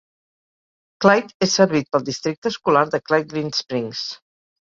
Clyde és servit pel districte escolar de Clyde-Green Springs.